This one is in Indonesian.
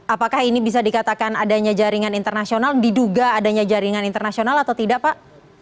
apakah ini bisa dikatakan adanya jaringan internasional diduga adanya jaringan internasional atau tidak pak